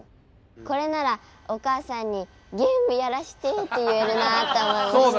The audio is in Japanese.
これならお母さんにゲームやらしてって言えるなって思いました。